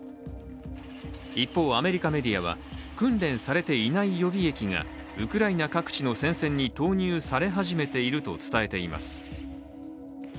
一方、アメリカメディアは訓練されていない予備役がウクライナ各地の戦線に投入され始めていると伝えています。